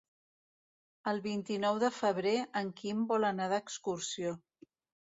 El vint-i-nou de febrer en Quim vol anar d'excursió.